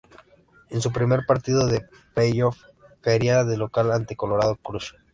En su primer partido de playoff caería de local ante Colorado Crush.